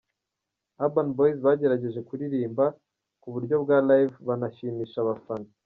Urban Boyz bagerageje kuririmba ku buryo bwa Live, banashimisha abafana.